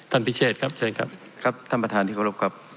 พิเชษครับเชิญครับครับท่านประธานที่เคารพครับ